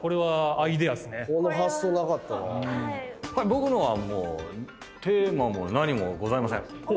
僕のはもうテーマも何もございません。